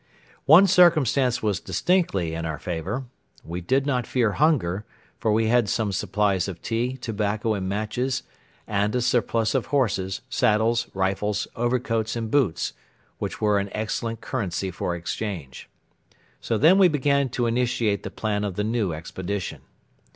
One circumstance was distinctly in our favor. We did not fear hunger, for we had some supplies of tea, tobacco and matches and a surplus of horses, saddles, rifles, overcoats and boots, which were an excellent currency for exchange. So then we began to initiate the plan of the new expedition.